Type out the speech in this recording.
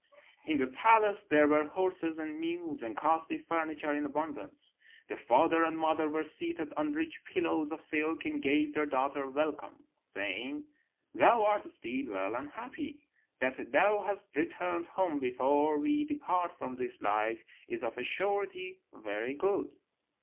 "In the palace there were horses and mules, and costly furniture in abundance. The father and mother were seated on rich pillows of silk, and gave their daughter welcome, saying, 'Thou art still well and happy. That thou hast returned home before we depart from this life is of a surety very good.'